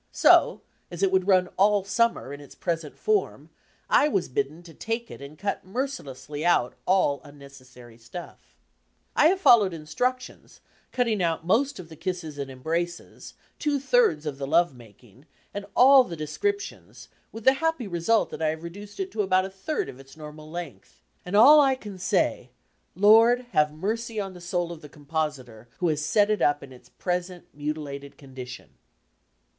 So, as it would run all summer, in its present form, I was bidden to take it and cut merci lessly out all unnecessary stuff. I have followed instructions, cutting out most of the kisses and embraces, two thirds of the love making, and all the descriptions, with the happy result that I have reduced it to about a third of its normal length, and all I can say 'Lord, have mercy on the soul of the compositor who has set it up in its present mutilated conditic»i.'